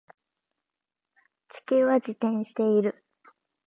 地球は自転している